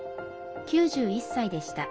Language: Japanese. ９１歳でした。